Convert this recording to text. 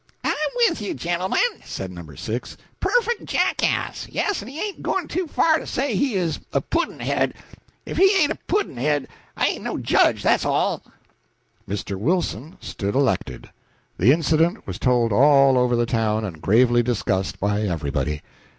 "I'm with you, gentlemen," said No. 6. "Perfect jackass yes, and it ain't going too far to say he is a pudd'nhead. If he ain't a pudd'nhead, I ain't no judge, that's all." Mr. Wilson stood elected. The incident was told all over the town, and gravely discussed by everybody.